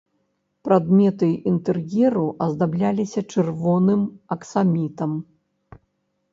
Прадметы інтэр'еру аздабляліся чырвоным аксамітам.